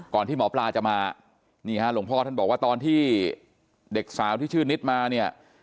ที่หมอปลาจะมานี่ฮะหลวงพ่อท่านบอกว่าตอนที่เด็กสาวที่ชื่อนิดมาเนี่ย